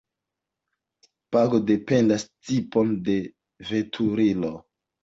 Pago dependas tipon de veturilo.